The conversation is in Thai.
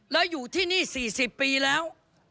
แล้วอยู่ที่นี่๔๐ปีแล้ว